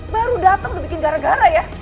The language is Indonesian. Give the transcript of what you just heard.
baru datang udah bikin gara gara ya